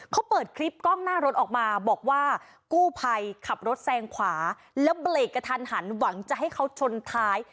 เขาเปิดคลิปกล้องหน้ารถออกมาบอกว่ากู้ภัยขับรถแซงขวาแล้วเบรกกระทันหันหวังจะให้เขาชนท้าย